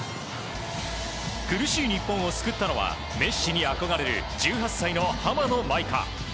苦しい日本を救ったのはメッシに憧れる１８歳の浜野まいか。